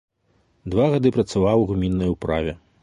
Два гады працаваў у гміннай управе.